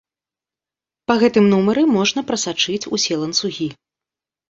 Па гэтым нумары можна прасачыць усе ланцугі.